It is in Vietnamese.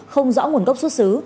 không rõ nguồn gốc xuất xứ